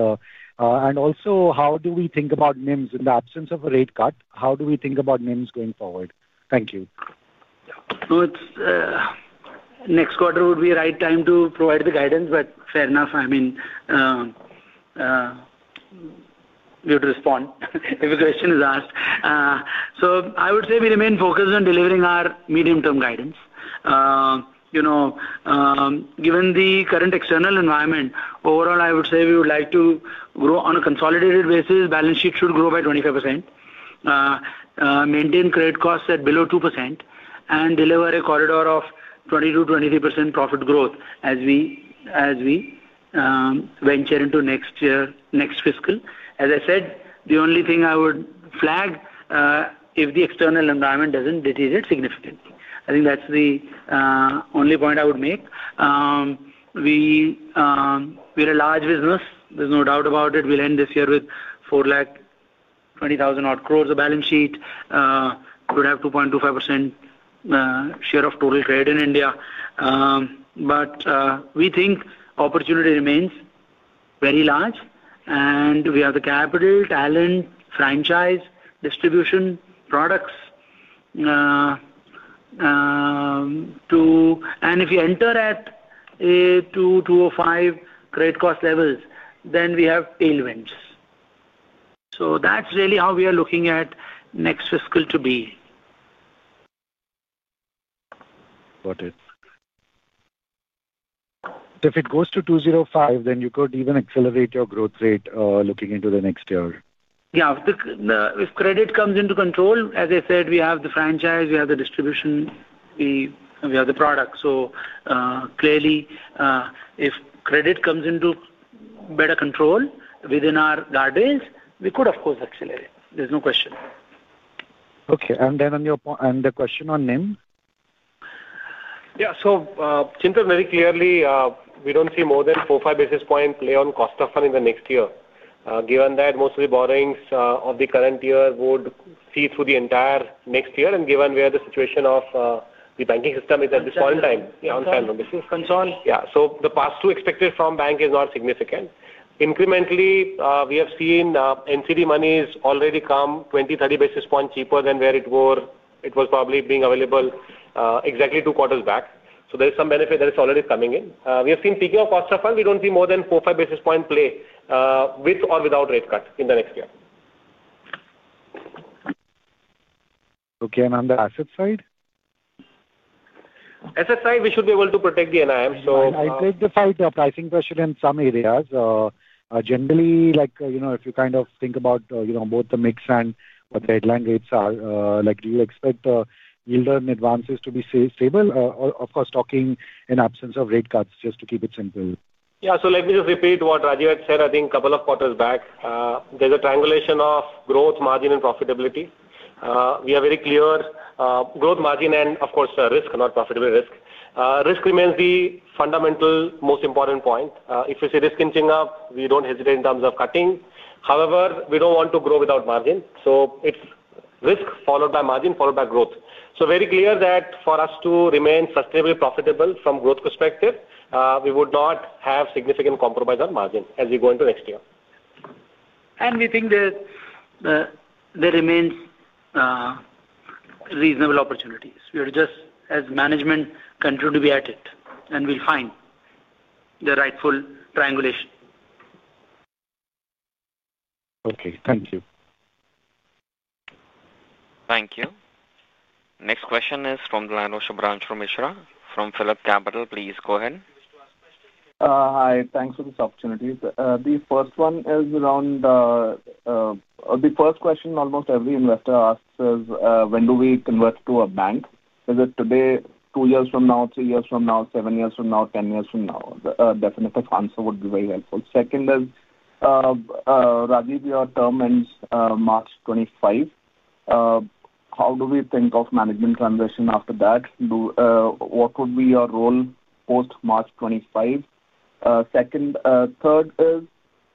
Also, how do we think about NIMS in the absence of a rate cut? How do we think about NIMS going forward? Thank you. So next quarter would be the right time to provide the guidance, but fair enough, I mean, we have to respond if a question is asked. So I would say we remain focused on delivering our medium-term guidance. Given the current external environment, overall, I would say we would like to grow on a consolidated basis. Balance sheet should grow by 25%. Maintain credit costs at below 2% and deliver a corridor of 22%-23% profit growth as we venture into next fiscal. As I said, the only thing I would flag if the external environment doesn't deteriorate significantly. I think that's the only point I would make. We're a large business. There's no doubt about it. We'll end this year with 420,000 crores of balance sheet. We'll have 2.25% share of total trade in India. But we think opportunity remains very large, and we have the capital, talent, franchise, distribution products. And if you enter at 2.205 credit cost levels, then we have tailwinds. So that's really how we are looking at next fiscal to be. Got it. If it goes to 2.05, then you could even accelerate your growth rate looking into the next year. Yeah. If credit comes into control, as I said, we have the franchise, we have the distribution, we have the product. So clearly, if credit comes into better control within our guardrails, we could, of course, accelerate. There's no question. Okay. And then on your point, and the question on NIMS? Yeah. So Chintan, very clearly, we don't see more than 4-5 basis points play on cost of fund in the next year. Given that most of the borrowings of the current year would see through the entire next year, and given where the situation of the banking system is at this point in time. This is consolidated. So the past due expected from bank is not significant. Incrementally, we have seen NCD money is already come 20-30 basis points cheaper than where it was probably being available exactly two quarters back. So there is some benefit that is already coming in. We have seen peaking of cost of funds. We don't see more than 4-5 basis points play with or without rate cut in the next year. Okay. And on the asset side? Asset side, we should be able to protect the NIM. So I take the fight, pricing pressure in some areas. Generally, if you kind of think about both the mix and what the headline rates are, do you expect yield and advances to be stable? Of course, talking in absence of rate cuts, just to keep it simple. Yeah. So let me just repeat what Rajeev had said, I think, a couple of quarters back. There's a triangulation of growth, margin, and profitability. We are very clear. Growth, margin, and of course, risk, not profitable risk. Risk remains the fundamental most important point. If you see risk inching up, we don't hesitate in terms of cutting. However, we don't want to grow without margin. So it's risk followed by margin followed by growth. So very clear that for us to remain sustainably profitable from growth perspective, we would not have significant compromise on margin as we go into next year. And we think there remains reasonable opportunities. We are just, as management, continue to be at it, and we'll find the rightful triangulation. Okay. Thank you. Thank you. Next question is from the line of Subhranshu Mishra from PhillipCapital. Please go ahead. Hi. Thanks for this opportunity. The first one is around the first question almost every investor asks is, when do we convert to a bank? Is it today, two years from now, three years from now, seven years from now, ten years from now? The definitive answer would be very helpful. Second is, Rajeev, your term ends March 2025. How do we think of management transition after that? What would be your role post-March 2025? Third is,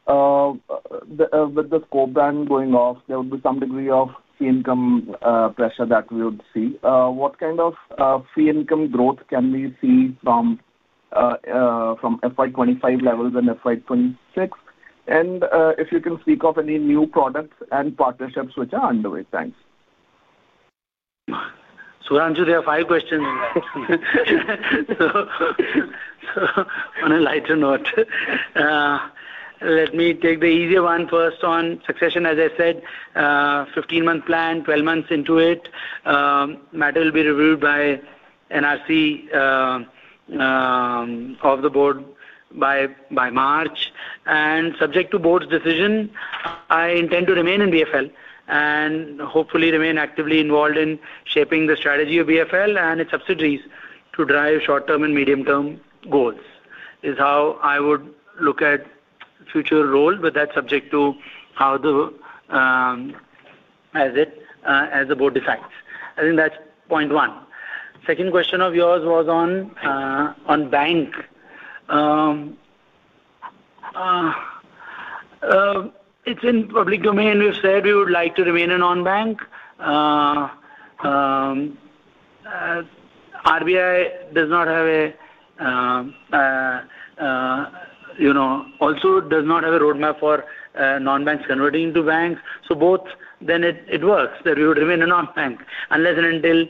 with the co-brand going off, there would be some degree of fee income pressure that we would see. What kind of fee income growth can we see from FY25 levels and FY26? And if you can speak of any new products and partnerships which are underway. Thanks. So Anup, there are five questions. So on a lighter note, let me take the easier one first on succession. As I said, 15-month plan, 12 months into it, matter will be reviewed by NRC of the board by March. And subject to board's decision, I intend to remain in BFL and hopefully remain actively involved in shaping the strategy of BFL and its subsidiaries to drive short-term and medium-term goals is how I would look at future role, but that's subject to how the board decides. I think that's point one. Second question of yours was on bank. It's in public domain. We've said we would like to remain a non-bank. RBI also does not have a roadmap for non-banks converting to banks. So both, then it works that we would remain a non-bank unless and until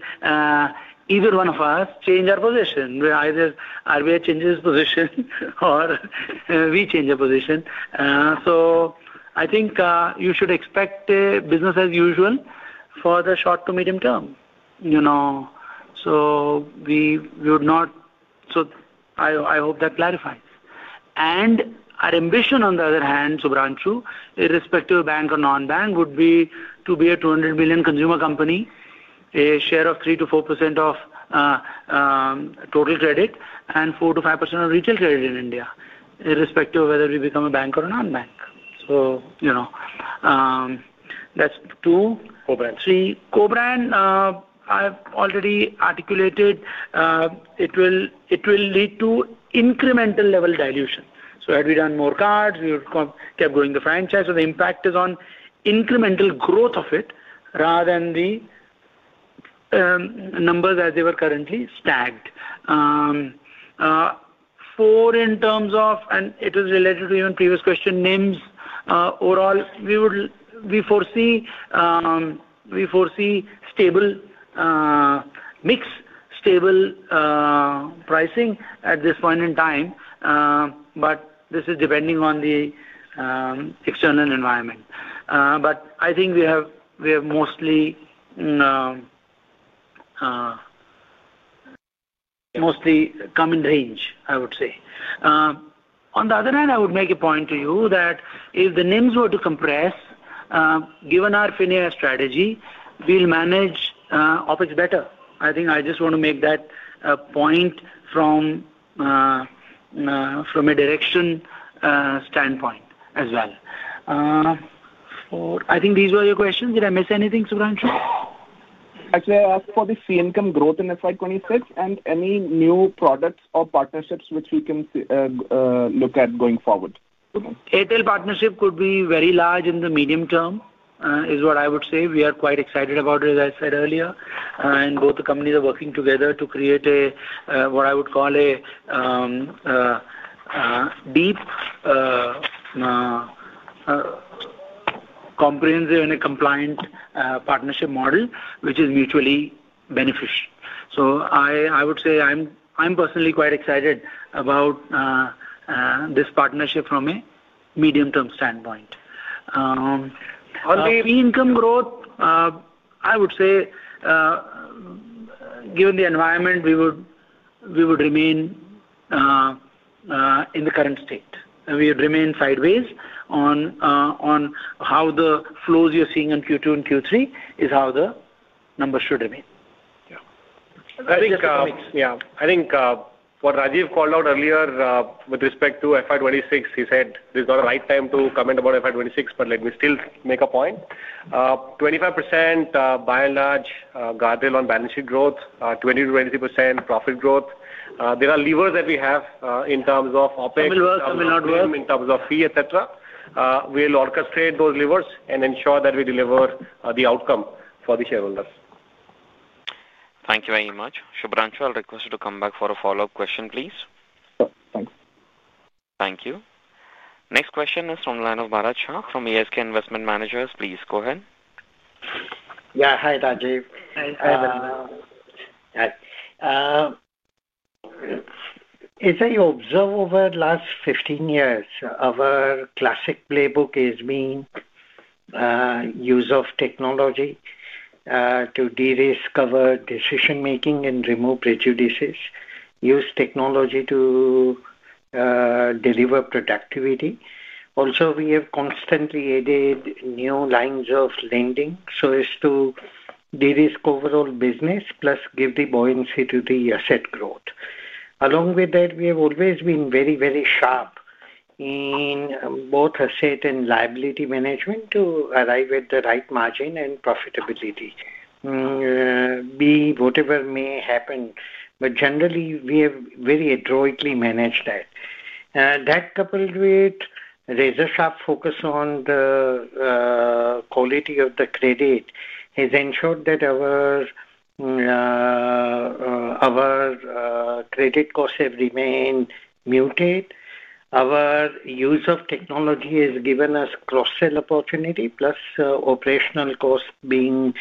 either one of us change our position. RBI changes position or we change our position. So I think you should expect business as usual for the short to medium term. So we would not. I hope that clarifies. And our ambition, on the other hand, Subhranshu, irrespective of bank or non-bank, would be to be a 200 million consumer company, a share of 3%-4% of total credit, and 4%-5% of retail credit in India, irrespective of whether we become a bank or a non-bank. So that's two. Co-brand. Three. Co-brand, I've already articulated it will lead to incremental level dilution. So had we done more cards, we would have kept growing the franchise. So the impact is on incremental growth of it rather than the numbers as they were currently stagnant. Four, in terms of, and it was related to even previous question, NIMS overall, we foresee stable mix, stable pricing at this point in time, but this is depending on the external environment. But I think we have mostly come in range, I would say. On the other hand, I would make a point to you that if the NIMS were to compress, given our FinAI strategy, we'll manage OpEX better. I think I just want to make that point from a direction standpoint as well. I think these were your questions. Did I miss anything, Subhranshu? Actually, I asked for the fee income growth in FY 2026 and any new products or partnerships which we can look at going forward. Airtel partnership could be very large in the medium term is what I would say. We are quite excited about it, as I said earlier. And both the companies are working together to create what I would call a deep, comprehensive, and a compliant partnership model which is mutually beneficial. So I would say I'm personally quite excited about this partnership from a medium-term standpoint. On the fee income growth, I would say, given the environment, we would remain in the current state. We would remain sideways on how the flows you're seeing in Q2 and Q3 is how the numbers should remain. Yeah. I think what Rajeev called out earlier with respect to FY 2026, he said, "There's not a right time to comment about FY 2026, but let me still make a point." 25% by and large guardrail on balance sheet growth, 20%-23% profit growth. There are levers that we have in terms of OpEX. Some will work, some will not work. Some will in terms of fee, etc. We'll orchestrate those levers and ensure that we deliver the outcome for the shareholders. Thank you very much. Subhranshu, I'll request you to come back for a follow-up question, please. Thanks. Thank you. Next question is from the line of Bharat Shah from ASK Investment Managers. Please go ahead. Yeah. Hi, Rajeev. Hi, everyone. Hi. As I observe over the last 15 years, our classic playbook has been use of technology to de-risk our decision-making and remove prejudices, use technology to deliver productivity. Also, we have constantly added new lines of lending so as to de-risk overall business plus give the buoyancy to the asset growth. Along with that, we have always been very, very sharp in both asset and liability management to arrive at the right margin and profitability, be whatever may happen. But generally, we have very adroitly managed that. That coupled with razor-sharp focus on the quality of the credit has ensured that our credit costs have remained muted. Our use of technology has given us cross-sell opportunity plus operational costs being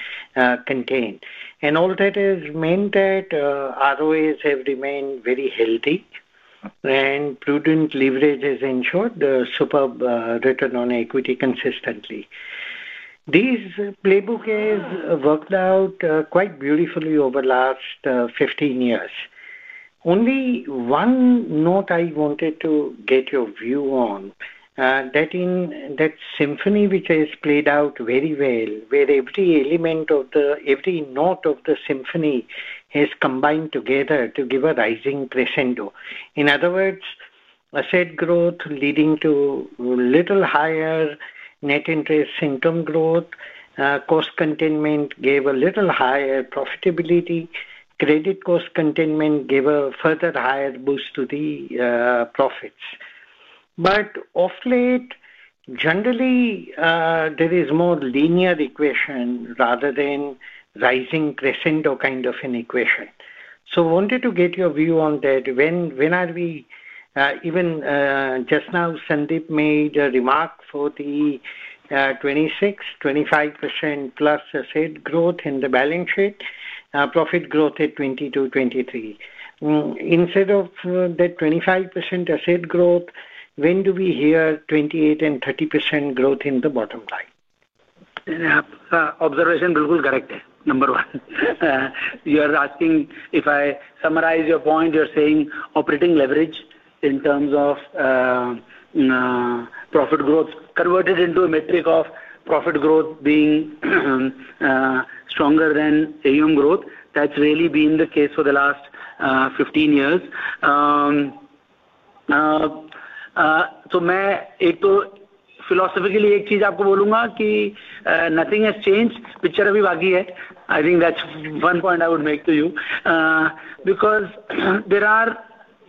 contained. And all that has meant that ROAs have remained very healthy and prudent leverage has ensured the superb return on equity consistently. This playbook has worked out quite beautifully over the last 15 years. Only one note I wanted to get your view on, that symphony which has played out very well, where every element of the every note of the symphony has combined together to give a rising crescendo. In other words, asset growth leading to a little higher net interest income growth, cost containment gave a little higher profitability, credit cost containment gave a further higher boost to the profits. But of late, generally, there is more linear equation rather than rising crescendo kind of an equation. So wanted to get your view on that. When are we even just now, Sandeep made a remark for the 26, 25% plus asset growth in the balance sheet, profit growth at 22%-23%. Instead of that 25% asset growth, when do we hear 28% and 30% growth in the bottom line? Observation, number one. You are asking if I summarize your point, you're saying operating leverage in terms of profit growth converted into a metric of profit growth being stronger than AUM growth. That's really been the case for the last 15 years. So मैं एक तो philosophically एक चीज आपको बोलूंगा कि nothing has changed, picture अभी बाकी है. I think that's one point I would make to you because there are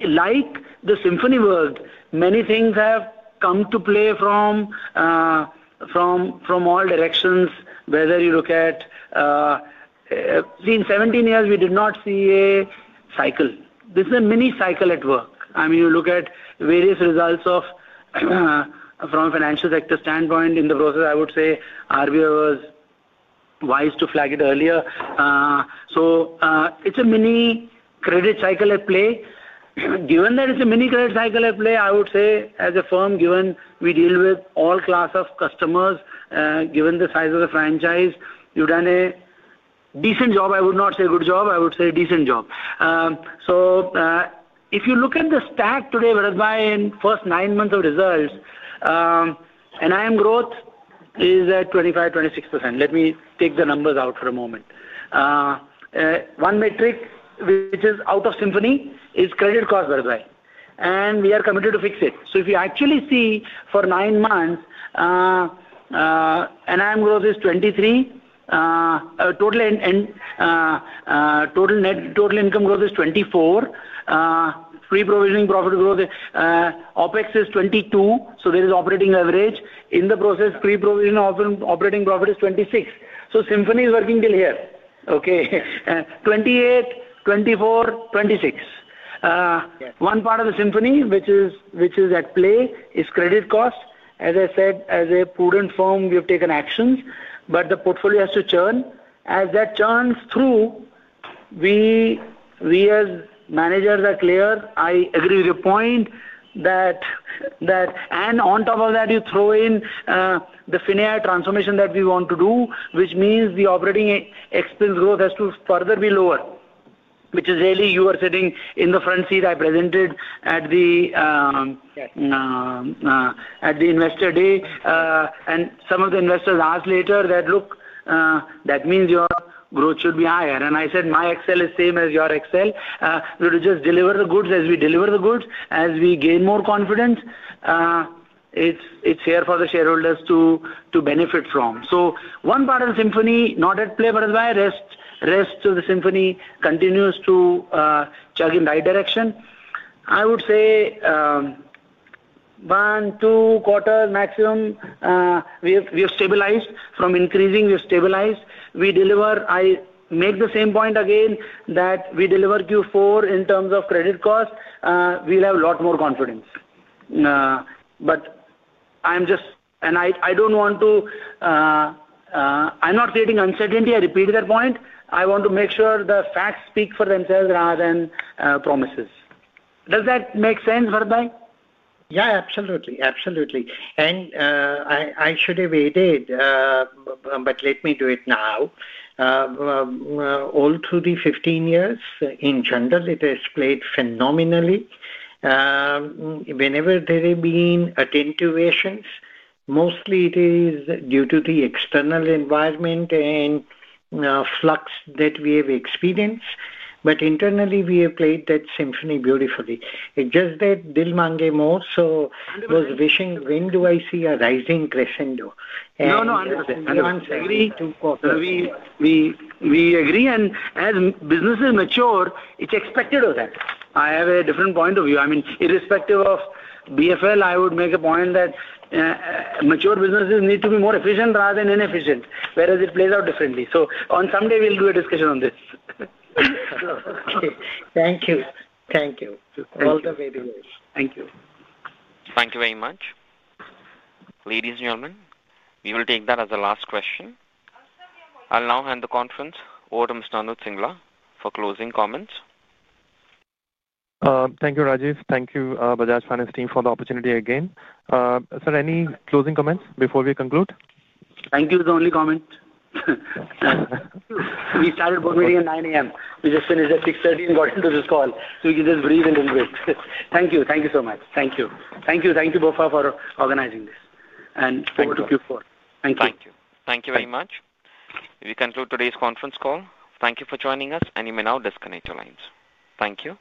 like the symphony world, many things have come to play from all directions whether you look at see, in 17 years, we did not see a cycle. This is a mini cycle at work. I mean, you look at various results from a financial sector standpoint. In the process, I would say RBI was wise to flag it earlier. So it's a mini credit cycle at play. Given that it's a mini credit cycle at play, I would say as a firm, given we deal with all class of customers, given the size of the franchise, you've done a decent job. I would not say good job. I would say decent job. So if you look at the stack today, Bharatbhai, in first nine months of results, and AUM growth is at 25-26%. Let me take the numbers out for a moment. One metric which is out of symphony is credit cost, Bharatbhai. And we are committed to fix it. So if you actually see for nine months, NIM growth is 23%, total net total income growth is 24%, pre-provisioning profit growth, OPEX is 22%. So there is operating leverage. In the process, pre-provisioning operating profit is 26%. So symphony is working till here. Okay. 28%, 24%, 26%. One part of the symphony which is at play is credit cost. As I said, as a prudent firm, we have taken actions, but the portfolio has to churn. As that churns through, we as managers are clear. I agree with your point that, and on top of that, you throw in the FinAI transformation that we want to do, which means the operating expense growth has to further be lower, which is really you are sitting in the front seat. I presented at the Investor Day, and some of the investors asked later that, "Look, that means your growth should be higher." And I said, "My Excel is same as your Excel. We will just deliver the goods as we deliver the goods. As we gain more confidence, it's here for the shareholders to benefit from." So one part of the symphony not at play, Bharatbhai. Rest to the symphony continues to chug in right direction. I would say one, two quarters maximum, we have stabilized from increasing. We have stabilized. We deliver. I make the same point again that we deliver Q4 in terms of credit cost. We have a lot more confidence. But I'm just and I don't want to. I'm not creating uncertainty. I repeat that point. I want to make sure the facts speak for themselves rather than promises. Does that make sense, Bharatbhai? Yeah, absolutely. Absolutely. And I should have waited, but let me do it now. All through the 15 years, in general, it has played phenomenally. Whenever there have been attenuations, mostly it is due to the external environment and flux that we have experienced. But internally, we have played that symphony beautifully. It's just that Dil Maange More so was wishing, "When do I see a rising crescendo?" No, no, 100%. I agree. We agree. And as businesses mature, it's expected of that. I have a different point of view. I mean, irrespective of BFL, I would make a point that mature businesses need to be more efficient rather than inefficient, whereas it plays out differently. So on some day, we'll do a discussion on this. Okay. Thank you. Thank you. All the very best. Thank you. Thank you very much. Ladies and gentlemen, we will take that as the last question. I'll now hand the conference over to Mr. Anup Singla for closing comments. Thank you, Rajeev. Thank you, Bajaj Finance team, for the opportunity again. Sir, any closing comments before we conclude? Thank you is the only comment. We started both meetings at 9:00 A.M. We just finished at 6:30 P.M. and got into this call. So we can just breathe a little bit. Thank you. Thank you so much. Thank you. Thank you. Thank you, BofA, for organizing this. And over to Q4. Thank you. Thank you. Thank you very much. We conclude today's conference call. Thank you for joining us, and you may now disconnect your lines. Thank you.